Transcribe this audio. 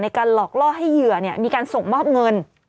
การหลอกล่อให้เหยื่อมีการส่งมอบเงิน